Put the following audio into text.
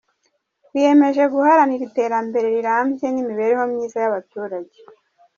Twiyemeje guharanira iterambere rirambye n’imibereho myiza y’abaturage.